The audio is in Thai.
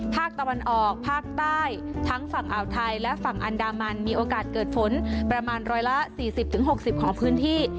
ภาคตะวันออกภาคใต้ทั้งฝั่งอ่าวไทยและฝั่งอันดามันมีโอกาสเกิดฝนประมาณ๑๔๐๖๐ของพื้นที่